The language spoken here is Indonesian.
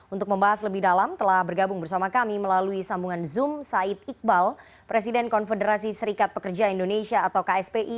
untuk membahas lebih dalam telah bergabung bersama kami melalui sambungan zoom said iqbal presiden konfederasi serikat pekerja indonesia atau kspi